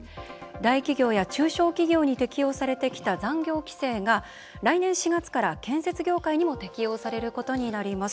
大企業や、中小企業に適用されてきた残業規制が来年４月から建設業界にも適用されることになります。